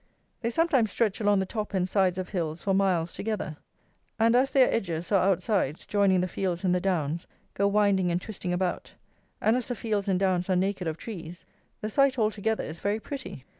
They sometimes stretch along the top and sides of hills for miles together; and as their edges, or outsides, joining the fields and the downs, go winding and twisting about, and as the fields and downs are naked of trees, the sight altogether is very pretty.